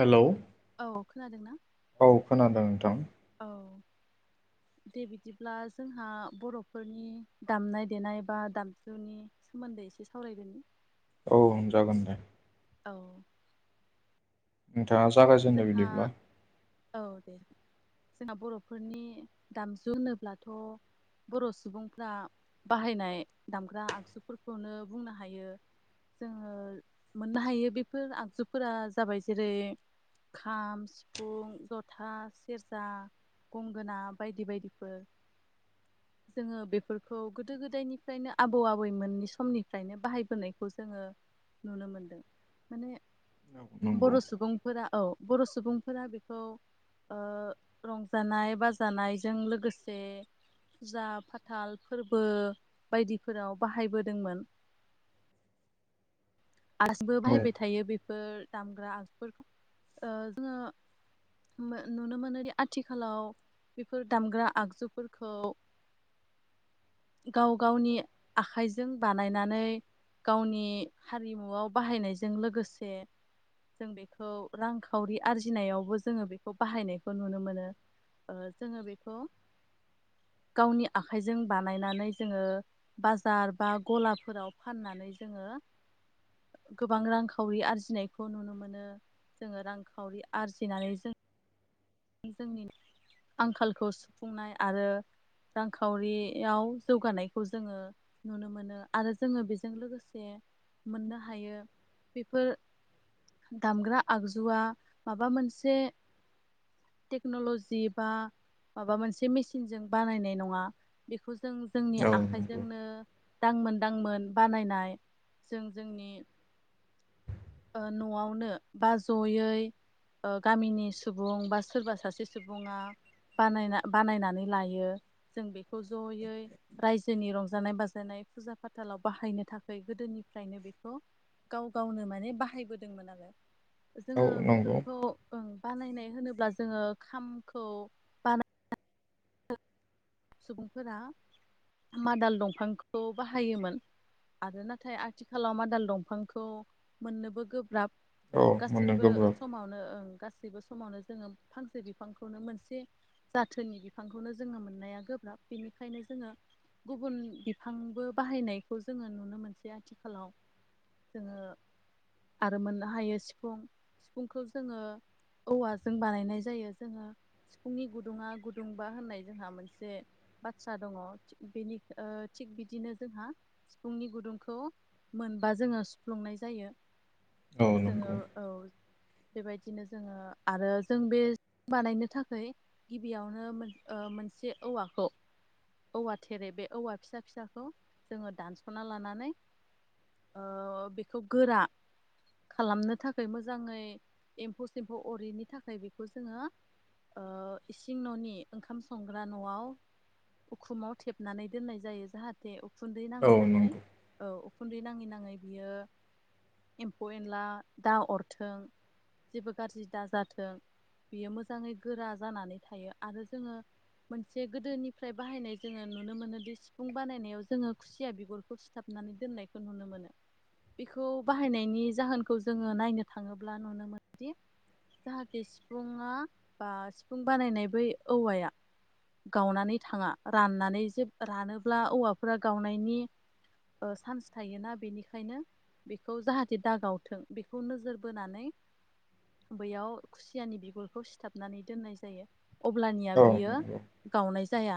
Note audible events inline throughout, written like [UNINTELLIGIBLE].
Hello औ खोनादोंना औ खोनादों नोंथां औ दे बिदिब्ला जोंहा बर'फोरनि दामनाय देनाय बा दामजुनि सोमोन्दै एसे सावरायगोन औ जागोन दे औ फा जागायजेननो जोंहा बिदिब्ला औ दे जोंहा बर'फोरनि दामजु होनोब्लाथ' बर' सुबुंफ्रा बाहायनाय दामग्रा आगजुफोरखौनो बुंनो हायो जोङो मोननो हायो बेफोर आगजुफोरा जाबाय जेरै खाम सिफुं जथा सेरजा गंगोना बायदि बायदिफोर जोङो बेफोरखौ गोदो गोदायनिफ्रायनो आबौ आबैमोननि समनिफ्रायनो बाहायबोनायखौ जोङो नुनो मोनदों माने नंगौ बर' सुबुं फोर औ बर' सुबुंफोरा बेखौ ओ रंजानाय बाजानायजों लोगोसे फुजा फाथाल फोरबो बायदिफोराव बाहायबोदोंमोन आसबो बाहायबाय औ थायो बेफोर दामग्रा आगजुफोरखौ जोङो नुनो मोनोदि आथिखालाव बेफोर दामग्रा आगजुफोरखौ गाव गावनि आखाइजों बानायनानै गावनि हारिमुआव बाहायनायजों लोगोसे जों बेखौ रांखावरि आरजिनायावबो जोङो बेखौ बाहायनायखौ नुनो मोनो जोङो बेखौ गावनि आखाइजों बानायनानै जोङो बाजार बा गलाफोराव फाननानै जोङो गोबां रांखावरि आरजिनायखौ नुनो मोनो जोङो रांखावरि आरजिनानै जों जोंनि आंखालखौ सुफुंनाय आरो रांखावरियाव जौगानायखौ जोङो नुनो मोनो आरो जोङो बेजों लोगोसे मोननो हायो बेफोर दामग्रा आगजुआ माबा मोनसे टेक्न'ल'जि बा माबा मोनसे मेसििनजों बानायनाय नङा बेखौ जों जों जोंनि औ नंगौ आखाइजोंनो दां दांमोन बानायनाय जों जोंनि न'आवनो बा जयै गामिनि सुबुं बा सोरबा सासे सुबुङा बानायना बानायनानै लायो जों बेखौ जयै रायजोनि रंजानाय बाजानाय फुजा फाथालाव बाहायनो थाखाय गोदोनिफ्रायनो बेखौ गाव गावनो माने बाहायबोदोंमोन आरोङो औ जोङो नंगौ बेफोरखौ बानायनाय होनोब्ला जोङो खामखौ बानाय सुबुंफोरा मादाल दंफांखौ बाहायोमोन आरो नाथाय आथिखालाव मादाल दंफांखौ मोननोबो गोब्राब औ मोननो गासैबो गोब्राब समावनो ओं गासै गबो समावनो जोङो फांसे बिफांखौनो मोनसे जाथोनि बिफांखौनो जोङो मोननाया गोब्राब बेनिखायनो जोङो गुबुन बिफांबो बाहायनायखौ जोङो नुनो मोनसै आथिखालाव जोङो आरो मोननो हायो सिफुं सिफुंखौ जोङो औवाजों बानायनाय जायो जोङो सिफुंनि गुदुङा गुदुंबा होननाय जोंहा मोनसे बाथ्रा दङि बेनि थिग बिदिनो जोंहा सिफुंनि गुदुंखौ मोनबा जोङो सुफ्लुंनाय जायो औ नंगौ जोङो औ बेबायदिनो जोङो आरो जों बे बानायनो थाखाय गिबियावनो मोनसे औवाखौ अ औवा थेरे बे औवा फिसा फिसाखौ जोङो दानस'ना लानानै ओ बेखौ गोरा खालामनो थाखाय मोजाङै एम्फौ सेम्फौ अरिनि थाखाय बेखौ जोङो ओ इसिं न'नि ओंखाम संग्रा न'आव उखुमाव थेबनानै दोननाय जायो जाहाथे उख खुन्दै औ नाङै नाङै नंगौ औ खुन्दै नाङै नाङै बियो एम्फौ एनला दा अरथों जेबो गाज्रि दा जाथों बियो मोजाङै गोरा जानानै थायो आरो जोङो मोनसे गोदोनिफ्राय बाहायनाय जोङो नुनो मोनोदि सिफुं बानायनायाव जोङो खुसिया बिगरखौ सिथाबनानै दोननायखौ नुनो मोनो बेखौ बाहायनायनि जाहोनखौ जोङो नायनो थाङोब्ला नुनो मोनोदि जाहाथे सिफुुङा बा सिफुं बानायनाय बै औवाया गावनानै थाङा राननानै जे रानोब्ला औवाफोरा गावनायनि ओ सान्स थायोना बेनिखायनो बेखौ जाहाथे दागावथों बेखौ नोजोर बोनानै बैयाव खुसियानि बिगुरखौ सिथाबनानै दोननाय जायो। अब्लानिया औ बियो नंगौ जाया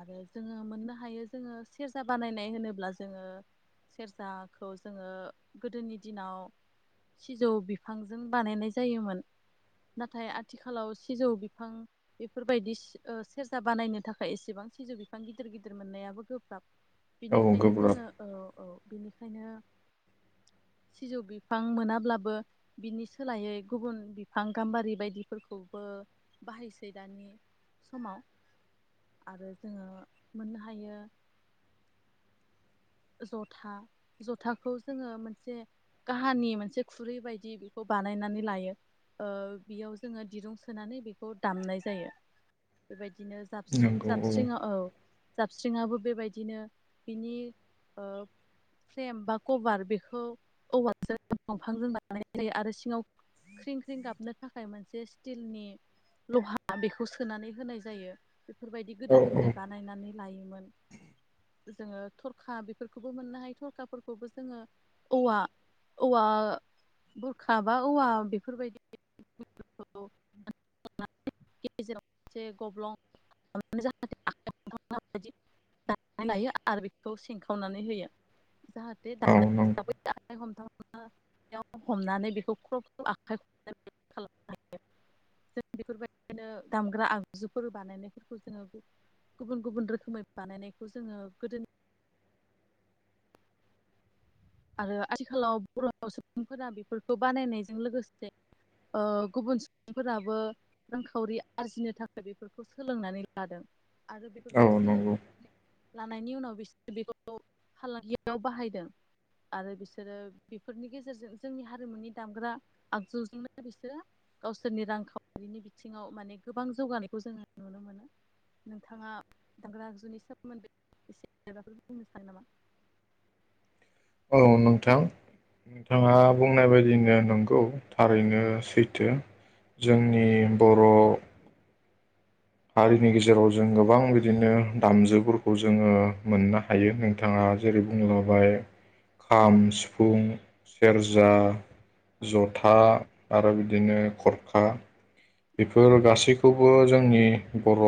आरो जोङो मोननो हायो जोङो सेरजा बानायनाय होनोब्ला जोङो सेरजाखौ जोङो गोदोनि दिनाव सिजौ बिफांजों बानायनाय जायोमोन नाथाय आथिखालाव सिजौ बिफां बेफोरबायदि सि ओ सेरजा बानायनो थाखाय एसेबां सिजौ बिफां गिदिर गिदिर मोननायाबो गोब्राब औ बिनिखायनो गोब्राब जोङो औ औ बिनिखायनो सिजौ बिफां मोनाब्लाबो बिनि सोलायै गुबुन बिफां गाम्बारि बायदिफोरखौबो बाहायसै दानि समाव आरो जोङो मोननो हायो जथा जथाखौ जोङो मोनसे काहानि मोनसे खुरै बायदि बेखौ बानायनानै लायो ओ बेयाव जोङो दिरुं सोनानै बेखौ दामनाय जायो बेबायद दिनो जाबस्रिं जाबस्रिङा औ जाबस्रिङाबो बेबायदिनो बिनि ओ फ्रेम बा कभार बेखौ औवाल दंफांजों बानायनाय जायो आरो सिङाव ख्रिं ख्रिं गाबनो थाखाय मोनसे स्टिलनि लहा बेखौ सोनानै होनाय जायो। बेफोरबायदि औ गोदोनिफ्राय बानायनानै लायोमोन जोङो थरखा बेफोरखौबो मोननो हायो थरखाफोरखौबो जोङो औवा औवा बुरखा बा औवा बेफोरबायदि [UNINTELLIGIBLE] गेजेरावसे एसे गब्लं [UNINTELLIGIBLE] खौ सिंखावनानै होयो जाहाथे औ दा नंगौ [UNINTELLIGIBLE] हमथा [UNINTELLIGIBLE] हमनानै बेखौ खायनो [UNINTELLIGIBLE] जों बेफोरबायदिनो दामग्रा आगजुफोर बानायनायफोरखौ जोङो गुबुन गुबुन रोखोमै बानायनायखौ जोङो गोदोनि आरो आथिखालाव बर' सुबुंफोरा बेफोरखौ बानायनायजों लोगोसे ओ गुबुन सुबुंफोराबो रांखावरि आरजिनो थाखाय बेफोरखौ सोलोंनानै लादों। आरो औ बेफोरखौ सोलों नंगौ लानायनि उनाव बिसोर बेखौ फालांगियाव बाहायदों। आरो बिसोरो बेफोरनि गेजेरजों जोंनि हारिमुनि दामग्रा आगजुजोंनो बिसोरो गावसोरनि रांखावरिनि बिथिङाव माने गोबां जौगानायखौ जोङो नुनो मोनो, नोंथाङा दामग्रा आगजुनि सोमोन्दै एसे मायबाफोर बुंनो सानो नामा? औ नोंथां। नोंथाङा बुंनाय बायदिनो ओ नंगौ थारैनो सैथो जोंनि बर' हारिनि गेजेराव जों गोबां बिदिनो दामजुफोरखौ जोङो मोननो हायो नोंथाङा जेरै बुंलांबाय खाम, सिफुं, औ सेरजा जथा आरो बिद दिनो खरखा औ बेफोर गासैखौब बो जोंनि बर'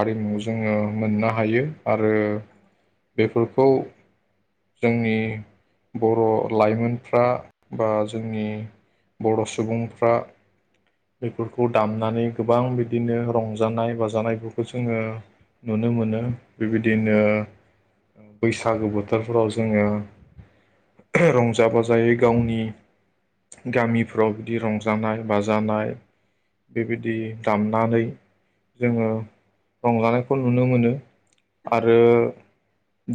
हारिमु जोङो मोननो हायो। आरो औ बेफोरख खौ जोंनि बर' लाइमोनफ्रा बा जोंनि बर' सुबुंफ्रा बेफोरखौ दामनानै गोबां बिदिनो रंजानाय बाजानायफोरखौ जोङो नुनो मोनो बेबायदिनो बैसागो बोथोरफ्राव जोङो रंजा बाजायै गावनि गामिफ्राव बिदि रंजानाय बाजानाय बेबायदि दामनानै जोङो रंजानायखौ नुनो मोनो। औ आरो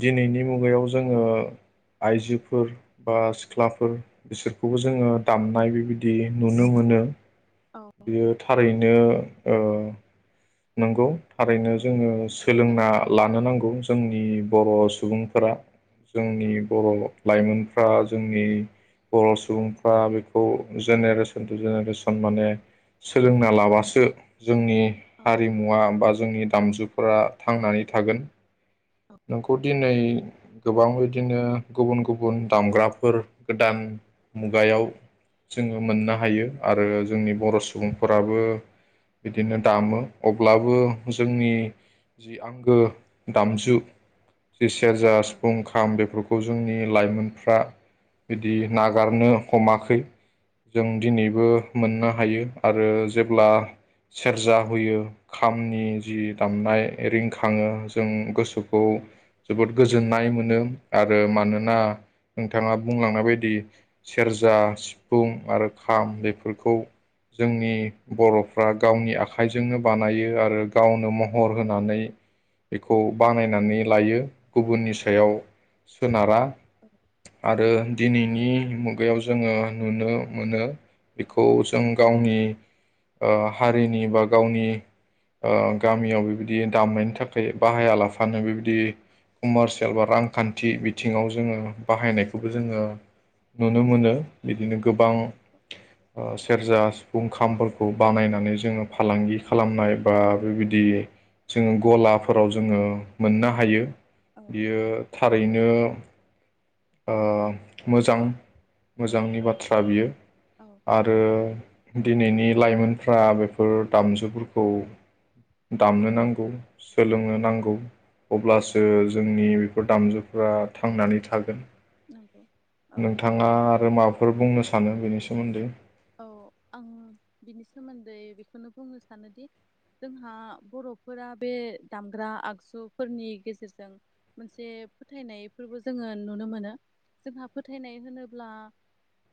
दिनैनि मुगायाव ज जोङो आइजोफोर बा सिख्लाफोर बिसोरखौबो जोङो दामनाय बेबायदि नुनो मोनो। औ बियो नंगौ थारैनो ओ नंगौ थारैनो जोङो सोलोंना गोगाथाव लानो नांगौ जोंनि बर' सुबुंफोरा जोंनि औ बर' लाइमोन फ्रा जोंनि बर' सुबुंफ्रा बेखौ जेनेरेसन टु जेनेरेसन माने सोलोंना लाबासो जोंनि औ हारिमुवा बा जोंनि दामजुफोरा थांनानै थागोन। औ नोंखौ दिनै गोबां बिब्दिनो गुबुन गुबुन दामग्राफोर गोदान मुगायाव जोङो मोननो हायो आरो जोंनि बर' सुबुंफोराबो बिब्दिनो दामो अब्लाबो जोंनि जे आंगो दाम जि सेरजा, सिफुं, खाम बेफोरख खौ जोंनि लाइमोनफ्रा बिदि औ नागारनो हमाखै जों दिनैबो मोननो हायो आरो जेब्ला सेरजा होयो खामनि जि दामनाय रिंखाङो जों गोसो खौ जोबोद गोजोननाय मोनो आरो मानोना नोंथाङा बुंलांनाय बायदि सेरजा सिफुं आरो खाम बेफोरखौ जोंनि बर'फ्रा गावनि आखाइजोंनो बानायो आरो गावनो महर होनानै बेखौ औ बानायना लायो गुबुननि सायाव सोनारा आरो दिनैनि मुगायाव जोङो नुनो मोनो बेखौ जों गावनि ओ हारिनि बा गावनि ओ गामियाव बेबायदि दामनायनि थाखाय बाहाया ला फानो बेबायदि कमारसियेल बा रांखान्थि बिथिङाव जोङो बाहायनायखौबो जोङो नुनो मोनो। बिदिनो गोबां ओ सेरजा, सिफुं, खामफोरखौ बानायनानै जोङो फालांगि खालामनाय बा बेबायदि जोङो गलाफोराव जोङो मोननो हायो। औ बियो थारैनो ओ मोजां मोजांनि औ बाथ्रा बियो आरो दिनैनि लाइमोनफ्रा बेफोर दामजुफोरखौ दामनो नांगौ सोलोंनो नांगौ औ अब्लासो जो जोंनि बेफोर दामजुफ्रा थांनानै थागोन। नंगौ औ नोंथाङा आरो माबाफोर बुंनो सा सानो बेनि सोमोन्दै औ आं बिनि सोमोन्दै बेखौनो बुंनो सानोदि जोंहा बर'फोरा बे दामग्रा आगजुफोरनि गेजेरजों मोनसे फोथायनायफोरबो जोङो नुनो मोनो जोंहा फोथायनाय होनोब्ला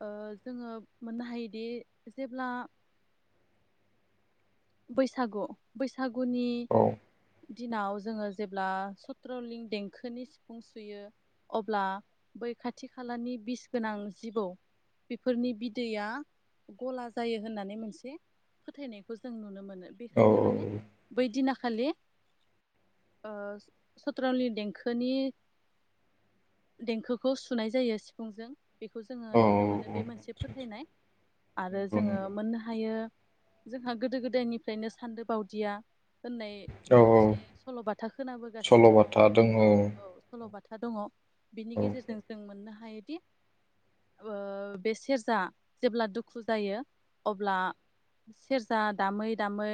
ओ जोङो मोननो हायो दि जेब्ला बैसागु बैसा गुनि औ दिनाव जोङो जेब्ला चत्रलिं देंखोनि सिफुं सुयो अब्ला बै खाथि खालानि बिस गोनां जिबौ बेफोरनि बिदैया गला जायो होननानै मोनसे फोथायनायखौ जों जों नुनो मोनो औ बेखायनो माने बै दिना खालि आ, सत्रावलि देंखोनि, देंखोखौ सुनाय जायो सिफुंजों बेखौ जोङो औ नुनो मोनो बे औ मोनसे फोथायनाय आरो नंगौ जोङो नंगौ मोननो हायो आोंहा गोदो गोदायनिफ्रायनो सानदो बावदिया होननाय औ औ मोनसे सल'बाथा खोनाबोगासिनो दङ औ औ सल'बाथा खोथा दङ बिनि औ गेजेरजों जों मोननो हा हायोदि, आ, बे सेरजा जेब्ला दुखु जायो अब्ला सेरजा दामै दामै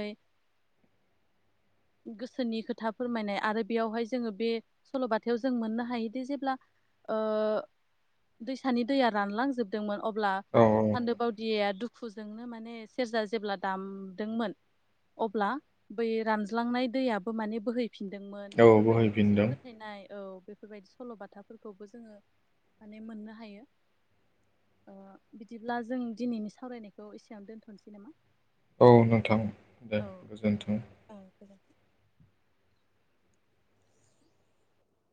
गोसोनि खोथा फोरमायनाय आरो बेयावहाय जोङो बे सल'बाथायाव जों मोननो हायोदि जेब्ला ओ दैसानि दैया रानलांजोबदोंमोन अब्ला औ सान्दो बावदिया दुखु दुखुजोंनो माने सेरजा जेब्ला दामदोंमोन अब्ला बै रानज्लांनाय दैयाबो माने बोहै फिनदोंमोन औ बेफोरबायदि मोनसे बोहैफिनदों फोथायनाय औ बेफोरबायदि सल'बाथाफोरखौबो जोङो माने मोननो हायो बिदिब्ला, आ जों दिनैनि सावरायनायखौ एसेयावनो दोनथ'नोसै नामा? औ नोंथां दे औ दे गोजोन्थों [INAUDIBLE]